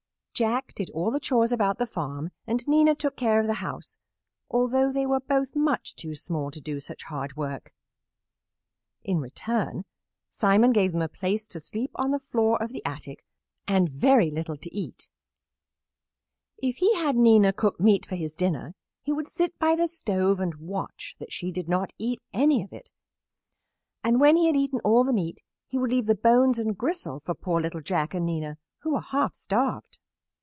Jack did all the chores about the farm and Nina took care of the house, although they were both much too small to do such hard work. In return Simon gave them a place to sleep on the floor of the attic and very little to eat. If he had Nina cook meat for his dinner he would sit by the stove and watch that she did not eat any of it, and when he had eaten all the meat he would leave the bones and gristle for poor little Jack and Nina, who were half starved.